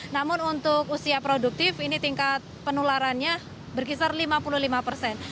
namun untuk usia produktif ini tingkat penularannya berkisar lima puluh lima persen